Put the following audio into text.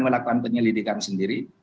melakukan penyelidikan sendiri